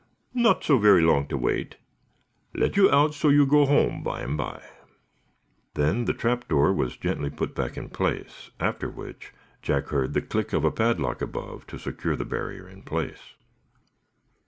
"Not so very long to wait. Let you out so you go home, bimeby." Then the trapdoor was gently put tack in place, after which Jack heard the click of a padlock above to secure the barrier in place.